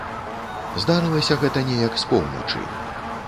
Здарылася гэта неяк з поўначы.